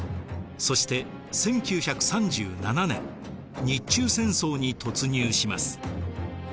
そして１９３７年日中戦争に突入します。